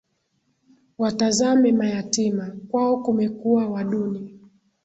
Watazame mayatima, kwao kumekua wa duni